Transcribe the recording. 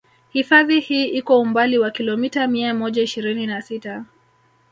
Hifadhi hii iko umbali wa kilometa mia moja ishirini na sita